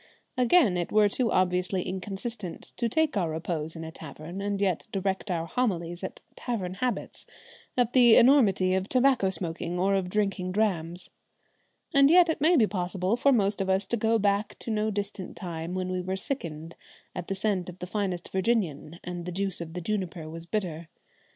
Again, it were too obviously inconsistent to take our repose in a tavern and yet direct our homilies at tavern habits, at the enormity of tobacco smoking or of drinking drams. And yet it may be possible for most of us to go back to no distant time when we sickened at the scent of the finest Virginian and the juice of the juniper was bitter.